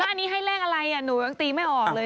แล้วอันนี้ให้แล่งอะไรอะหนูยังตีไม่ออกเลยเนี่ย